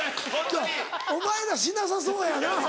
お前らしなさそうやな。